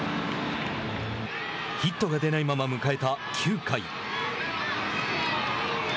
ヒットが出ないまま迎えた９回。